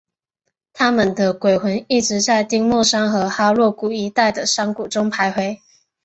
他们的鬼魂一直在丁默山和哈洛谷一带的山谷中徘徊。